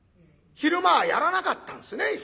昼間はやらなかったんですね。